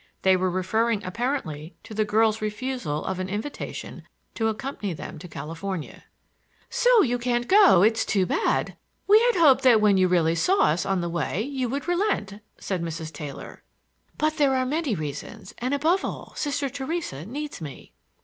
They were referring apparently to the girl's refusal of an invitation to accompany them to California. "So you can't go—it's too bad! We had hoped that when you really saw us on the way you would relent," said Mrs. Taylor. "But there are many reasons; and above all Sister Theresa needs me."